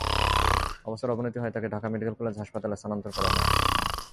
অবস্থার অবনতি হওয়ায় তাঁকে ঢাকা মেডিকেল কলেজ হাসপাতালে স্থানান্তর করা হয়।